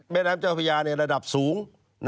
แม่น้ำเจ้าพระยาในระดับสูง